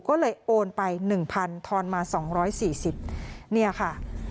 ก็เลยโอนไป๑๐๐ทอนมา๒๔๐เนี่ยค่ะ